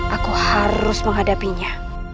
aku harus menghadapinya